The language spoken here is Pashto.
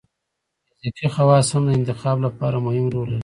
فزیکي خواص هم د انتخاب لپاره مهم رول لري.